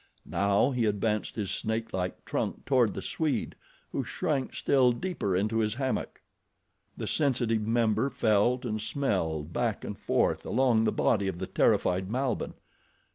Now he advanced his snake like trunk toward the Swede, who shrank still deeper into his hammock. The sensitive member felt and smelled back and forth along the body of the terrified Malbihn.